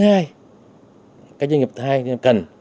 cái doanh nghiệp thứ hai cần